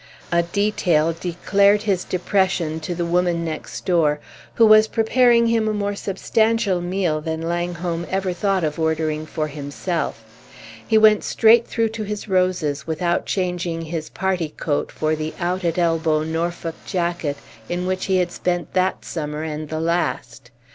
A detail declared his depression to the woman next door, who was preparing him a more substantial meal than Langholm ever thought of ordering for himself: he went straight through to his roses without changing his party coat for the out at elbow Norfolk jacket in which he had spent that summer and the last.